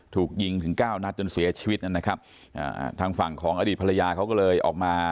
ถูกยิงถึงเก้านัดจนเสียชีวิตนะครับอ่าทางฝั่งของอดีตภรรยาเขาก็เลยออกมา